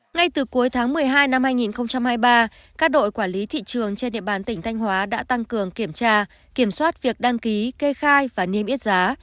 ngay từ cuối tháng một mươi hai năm hai nghìn hai mươi ba các đội quản lý thị trường trên địa bàn tỉnh thanh hóa đã tăng cường kiểm tra kiểm soát việc đăng ký kê khai và niêm yết giá